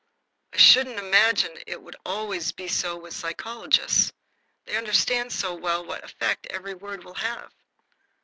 I should imagine it would always be so with psychologists. They understand so well what effect every word will have.